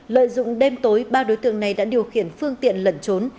lợi dụng đêm tối ba đối tượng này đã điều khiển phương tiện lẩn trốn